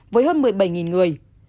với hơn một mươi bảy người